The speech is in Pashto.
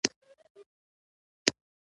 خانان او عوام یې له ښرا بېرېدل.